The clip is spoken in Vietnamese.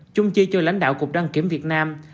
chung chi cho lãnh đạo cục đăng kiểm việt nam